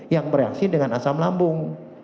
yang bereaksi dengan asam lambung